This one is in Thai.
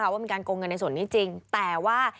ว่ามีการโกงเงินในส่วนนี้จริงแต่ว่า